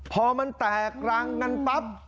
พอมันแตกรังกันปั๊บ